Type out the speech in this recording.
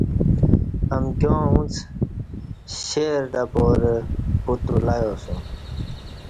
امکیاں اݩڅ شہر تہ پارہ پُوت ولیاسُوم